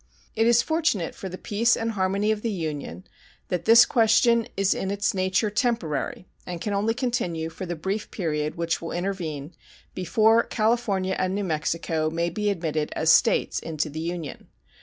It is fortunate for the peace and harmony of the Union that this question is in its nature temporary and can only continue for the brief period which will intervene before California and New Mexico may be admitted as States into the Union.